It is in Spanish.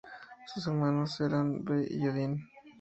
Sus hermanos eran Ve y Odín.